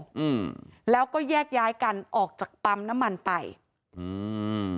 อืมแล้วก็แยกย้ายกันออกจากปั๊มน้ำมันไปอืม